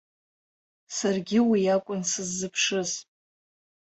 Саргьы уи акәын сыззыԥшыз.